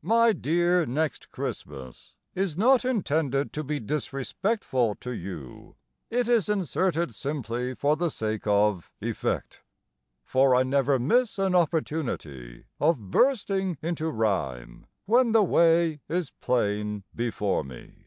My dear Next Christmas, Is not intended to be Disrespectful to you; It is inserted simply For the sake of effect. For I never miss an opportunity Of bursting into rhyme. When the way is plain before me.